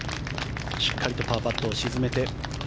しっかりとパーパットを沈めて。